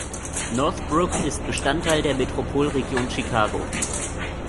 Northbrook ist Bestandteil der Metropolregion Chicago.